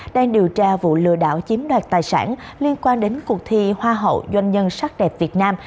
đang điều tra vụ lừa đảo chiếm đoạt tài sản liên quan đến cuộc thi hoa hậu doanh nhân sắc đẹp việt nam